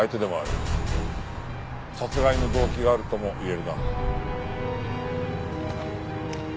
殺害の動機があるとも言えるな。